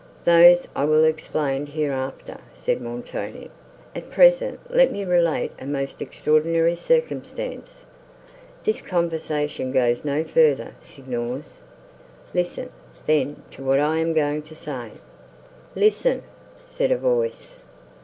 "Those I will explain hereafter," said Montoni: "at present let me relate a most extraordinary circumstance. This conversation goes no further, Signors. Listen, then, to what I am going to say." "Listen!" said a voice.